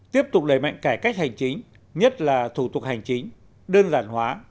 tiếp tục đẩy mạnh cải cách hành chính nhất là thủ tục hành chính đơn giản hóa